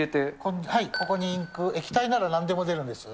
ここにインク、液体ならなんでも出るんです。